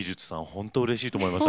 ほんとうれしいと思います。